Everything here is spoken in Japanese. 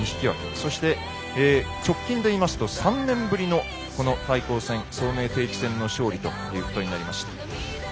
そして、直近でいいますと３年ぶりのこの対抗戦、早明定期戦の勝利ということになりました。